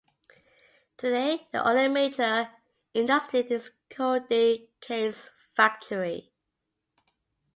Today, the only major industry is the Codi case factory.